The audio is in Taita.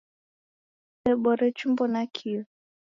Kusebore chumbo nakio.